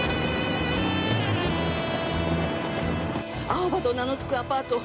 アオバと名の付くアパート